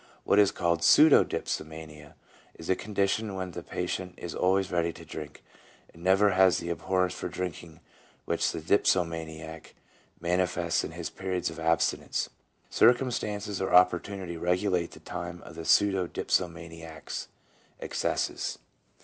What is called pseudo dipsomania is a condition when the patient is always ready to drink, and never has the abhorrence for drinking which the dipsomaniac mani fests in his periods of abstinence. Circumstances or opportunity regulate the time of the pseudo dipso maniac's excesses.